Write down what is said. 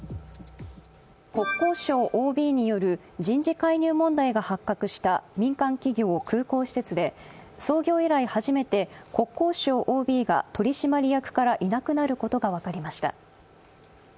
国交省ＯＢによる人事介入問題が発覚した民間企業、空港施設で創業以来初めて国交省ＯＢが取締役からいなくなることが分かりました。